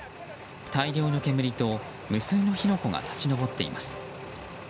大量の煙と、無数の火の粉が立ち上っています。